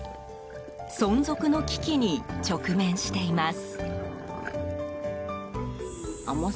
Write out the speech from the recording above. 存続の危機に直面しています。